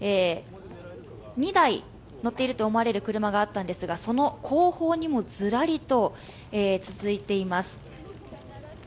２台、乗っていると思われる車があったんですが、その後方にもずらりと続いています。